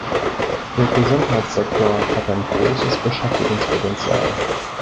Der Gesundheitssektor hat ein großes Beschäftigungspotenzial.